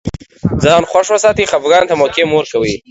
ځان خوښ وساتئ خفګان ته موقع مه ورکوی